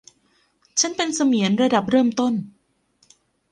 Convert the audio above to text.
ฉันเป็นเสมียนระดับเริ่มต้น